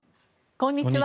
こんにちは。